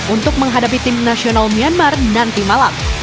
untuk menghadapi tim nasional myanmar nanti malam